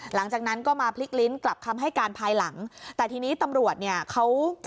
หลังจากนั้นก็มาพลิกลิ้นกลับคำให้การภายหลังแต่ทีนี้ตำรวจเนี่ยเขา